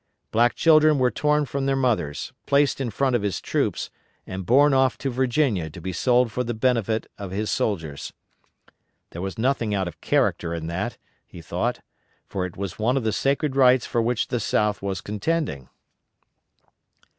Black children were torn from their mothers, placed in front of his troops, and borne off to Virginia to be sold for the benefit of his soldiers. There was nothing out of character in that, he thought, for it was one of the sacred rights for which the South was contending.